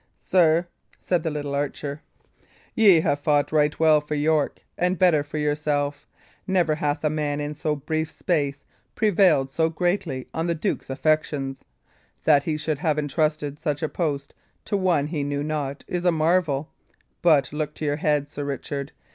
"Sir," said the little archer, "ye have fought right well for York, and better for yourself. Never hath man in so brief space prevailed so greatly on the duke's affections. That he should have entrusted such a post to one he knew not is a marvel. But look to your head, Sir Richard!